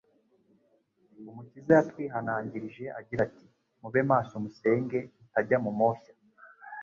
Umukiza yatwihanangirije agira ati: “Mube maso musenge mutajya mu moshya.”